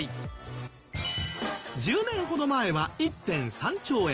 １０年ほど前は１．３兆円。